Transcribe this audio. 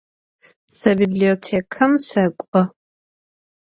Se bibliotêkam sek'o.